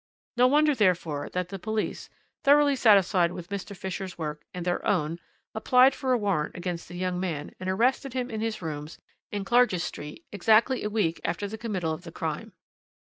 No wonder, therefore, that the police, thoroughly satisfied with Mr. Fisher's work and their own, applied for a warrant against the young man, and arrested him in his rooms in Clarges Street exactly a week after the committal of the crime.